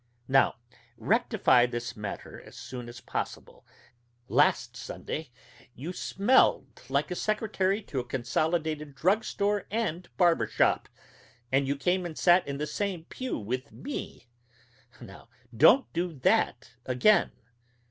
Now, rectify this matter as soon as possible; last Sunday you smelled like a secretary to a consolidated drug store and barber shop. And you came and sat in the same pew with me; now don't do that again.